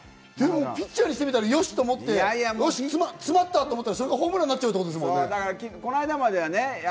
ピッチャーにしてみたら、よし！っと思って、詰まったと思ったら、それがホームランになっちゃうんですもんね。